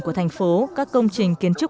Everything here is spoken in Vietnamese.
của thành phố các công trình kiến trúc